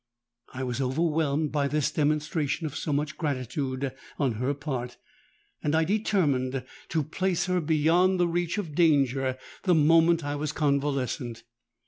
I was overwhelmed by this demonstration of so much gratitude on her part; and I determined to place her beyond the reach of danger the moment I was convalescent.